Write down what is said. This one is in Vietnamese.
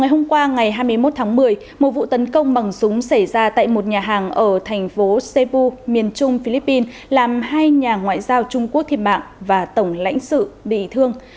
hôm qua ngày hai mươi một tháng một mươi một vụ tấn công bằng súng xảy ra tại một nhà hàng ở thành phố sepu miền trung philippines làm hai nhà ngoại giao trung quốc thiệt mạng và tổng lãnh sự bị thương